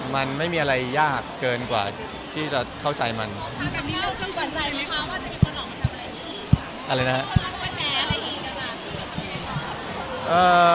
มันไม่มีอะไรยากเกินกว่าที่จะเข้าใจมันค่ะว่าจะมีคนหลอกมันทำอะไรดีดี